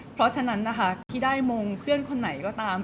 เพราะฉะนั้นนะคะที่ได้มงเพื่อนคนไหนก็ตาม